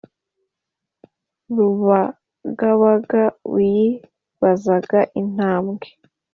Rubagabaga uyibagaza intambwe